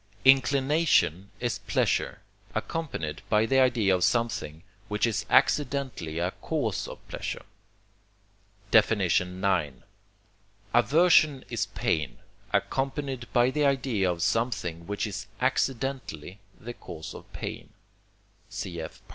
Inclination is pleasure, accompanied by the idea of something which is accidentally a cause of pleasure. IX. Aversion is pain, accompanied by the idea of something which is accidentally the cause of pain (cf.